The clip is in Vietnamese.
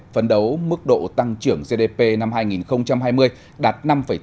phấn đấu mức độ tăng trưởng gdp năm hai nghìn hai mươi đạt năm tám